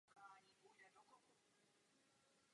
Zmiňuje se tehdy jako soukromý podnikatel z Nových Zámků.